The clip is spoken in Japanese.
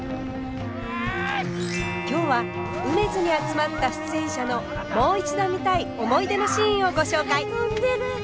今日はうめづに集まった出演者のもう一度見たい思い出のシーンをご紹介。